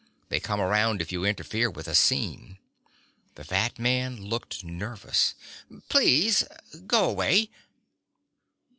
They come around if you interfere with a scene." The fat man looked nervous. "Please. Go away."